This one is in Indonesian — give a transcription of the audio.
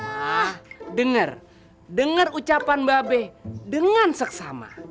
ah denger denger ucapan mba be dengan seksama